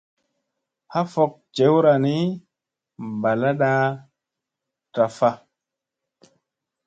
Ha fok jewra ni balada taffa.